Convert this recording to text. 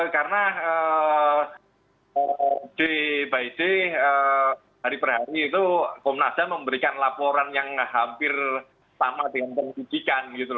karena day by day hari per hari itu komnas ham memberikan laporan yang hampir sama dengan pendidikan